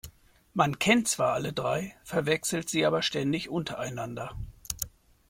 Man kennt zwar alle drei, verwechselt sie aber ständig untereinander.